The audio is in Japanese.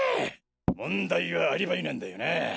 問題はアリバイなんだよな。